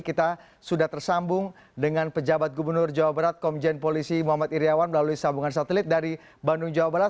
kita sudah tersambung dengan pejabat gubernur jawa barat komjen polisi muhammad iryawan melalui sambungan satelit dari bandung jawa barat